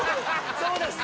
そうですね